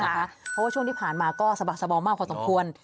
เพราะว่าช่วงที่ผ่านมาก็สะบักสบอมมากพอสมควร